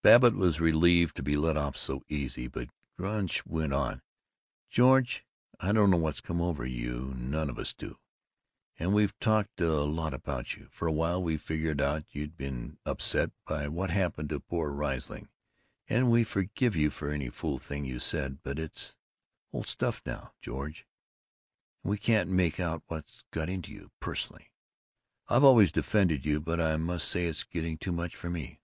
Babbitt was relieved to be let off so easily, but Gunch went on: "George, I don't know what's come over you; none of us do; and we've talked a lot about you. For a while we figured out you'd been upset by what happened to poor Riesling, and we forgave you for any fool things you said, but that's old stuff now, George, and we can't make out what's got into you. Personally, I've always defended you, but I must say it's getting too much for me.